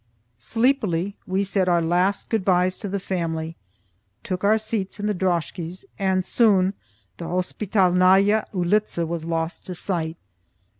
Sleepily we said our last good byes to the family, took our seats in the droskies, and soon the Hospitalnayah Ulitza was lost to sight.